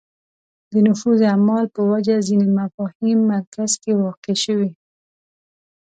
د نفوذ اعمال په وجه ځینې مفاهیم مرکز کې واقع شوې